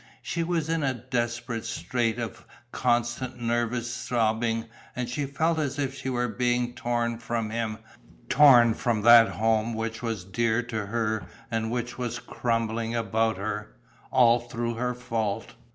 She was in a desperate state of constant nervous sobbing and she felt as if she were being torn from him, torn from that home which was dear to her and which was crumbling about her, all through her fault.